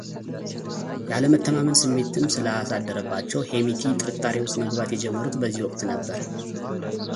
ያለመተማመን ስሜትም ስላሳደረባቸው ሄምቲ ጥርጣሬ ውስጥ መግባት የጀመሩት በዚህ ወቅት ነበር።